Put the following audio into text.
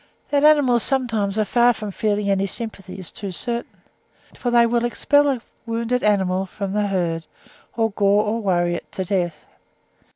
That animals sometimes are far from feeling any sympathy is too certain; for they will expel a wounded animal from the herd, or gore or worry it to death.